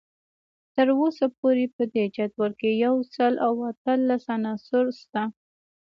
تر اوسه پورې په دې جدول کې یو سل او اتلس عناصر شته